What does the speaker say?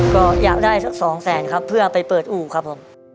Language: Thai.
ก็อยากได้สักสองแสนครับเพื่อไปเปิดอู่ครับผม